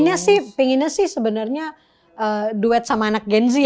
iya pinginnya sih sebenernya duet sama anak gen z ya